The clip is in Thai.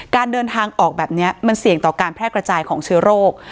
การเดินทางออกแบบนี้มันเสี่ยงต่อการแพร่กระจายของเชื้อโรค